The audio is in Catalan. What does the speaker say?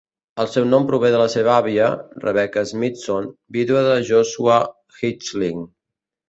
El seu nom prové de la seva àvia, Rebecca Smithson, vídua de Joshua Hitchling.